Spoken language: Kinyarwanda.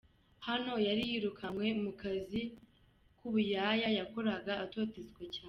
Hano yari yirukanywe mu kazi k'ubuyaya yakoraga atotezwa cyane.